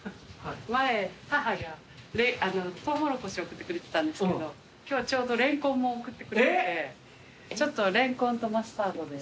前母がトウモロコシ送ってくれてたんですけど今日はちょうどレンコンも送ってくれててちょっとレンコンとマスタードで。